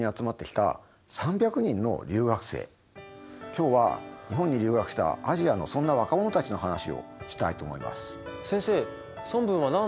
今日は日本に留学したアジアのそんな若者たちの話をしたいと思います。